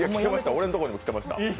俺のとこにも来てました。